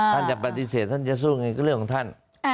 ท่านจะปฏิเสธท่านจะสู้ไงก็เรื่องของท่าน